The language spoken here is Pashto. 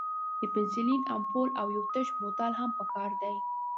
د پنسلین امپول او یو تش بوتل هم پکار دی.